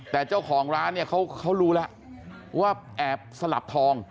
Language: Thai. แต่เจ้าของร้านเนี่ยเขารู้แล้วว่าแอบสลับทอง